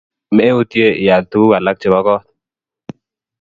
Meutye ial tuguk alak chepo kot